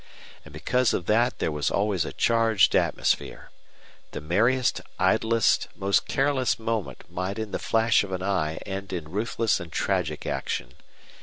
And because of that there was always a charged atmosphere. The merriest, idlest, most careless moment might in the flash of an eye end in ruthless and tragic action.